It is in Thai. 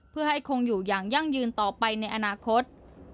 เพื่อให้คงอยู่อย่างยั่งยืนต่อไปในอนาคต